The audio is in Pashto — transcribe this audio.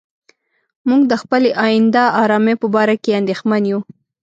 موږ د خپلې آینده آرامۍ په باره کې اندېښمن یو.